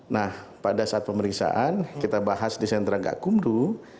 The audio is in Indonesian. nah pada saat pemeriksaan kita bahas di sentra gakumdu